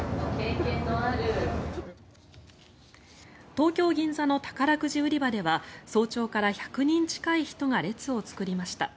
東京・銀座の宝くじ売り場では早朝から１００人近い人が列を作りました。